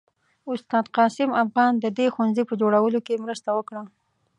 استاد قاسم افغان د دې ښوونځي په جوړولو کې مرسته وکړه.